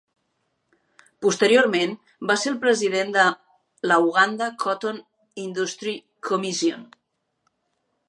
Posteriorment, va ser el president de la Uganda Cotton Industry Commission.